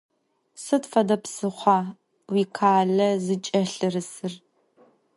Sıd fede psıxhua vuikhale zıç'elhırısır?